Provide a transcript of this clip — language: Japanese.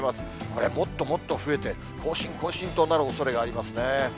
これ、もっともっと増えて、更新、更新となるおそれがありますね。